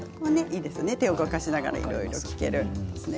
手を動かしながらいろいろ聴けていいですね。